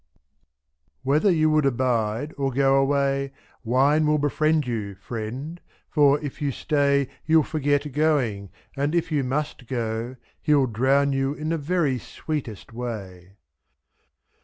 27 Whether you would abide or go away, Wine will befriend you, friend ; for, if you stay, t'^ You'll forget going ; and, if you must go, He'll drown you in the very sweetest way.